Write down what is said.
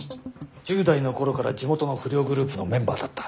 １０代の頃から地元の不良グループのメンバーだった。